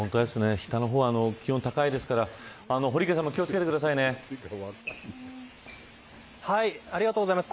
下の方が気温は高いですから堀池さんもありがとうございます。